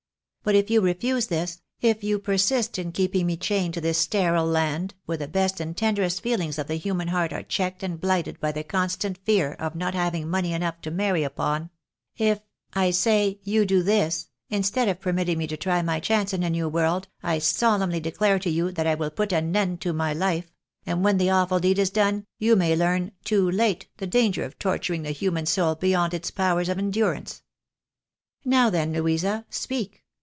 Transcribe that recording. But if you refuse this, if you persist in keeping me chained to this sterile land, where the best and tenderest feehngs of the human heart are checljed and blighted by the constant fear of not having money enough to marry upon — if, I say, you do this, instead of permitting me to try my chance in a new world, I solemnly declare to you, that I will put an end to my Hfe ; and when the awful deed is done, you may learn;^oo late, the danger of torturing the human soul beyond its powers of endurance. Now then, Louisa, speak!